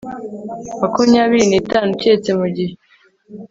makumyabiri n itanu keretse mu gihe